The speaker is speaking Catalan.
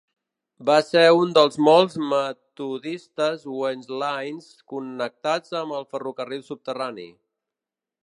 Va ser un dels molts metodistes wesleyans connectats amb el ferrocarril subterrani.